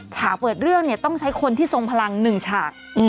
ฉากเปิดเรื่องเนี่ยต้องใช้คนที่ทรงพลัง๑ฉาก